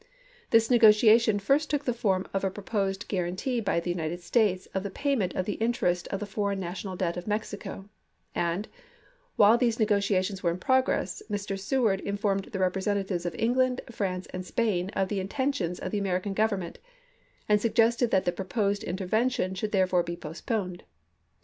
This negotiation first took the form of a proposed guar antee by the United States of the payment of the interest of the foreign national debt of Mexico, and while these negotiations were in progress Mr. Seward informed the representatives of England, France, and Spain of the intentions of the Ameri can Government, and suggested that the proposed intervention should therefore be postponed.